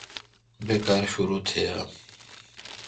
بہ کار شرو تھی اؘ۔